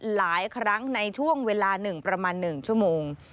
หลายครั้งในช่วงเวลา๑ประมาณ๑ชั่วโมง